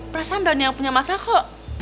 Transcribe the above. perasan don yang punya masa kok